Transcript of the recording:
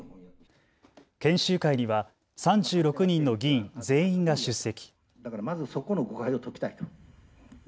研修会には３６人の議員全員が出席。